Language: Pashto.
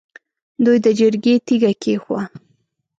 دوی د جرګې تیګه کېښووه.